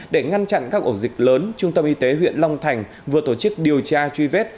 để ngăn chặn các ổ dịch lớn trung tâm y tế huyện long thành vừa tổ chức điều tra truy vết